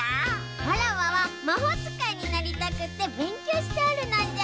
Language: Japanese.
わらわはまほうつかいになりたくてべんきょうしておるのじゃ。